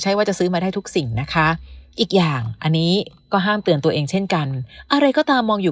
อีกอย่างอันนี้ก็ห้ามเตือนตัวเองเช่นกันอะไรก็ตามมองอยู่